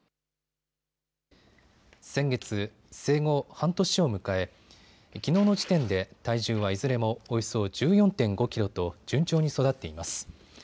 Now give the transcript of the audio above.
先月、生後半年を迎えきのうの時点で体重はいずれもおよそ１４．５キロと順調に育っています。